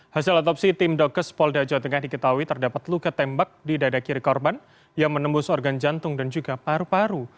hasil atopsi tim dokus polda jawa tengah di ketawi terdapat luka tembak di dada kiri korban yang menembus organ jantung dan juga paru paru